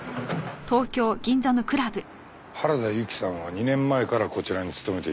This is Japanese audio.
原田由紀さんは２年前からこちらに勤めていた。